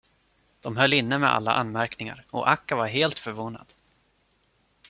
De höll inne med alla anmärkningar, och Akka var helt förvånad.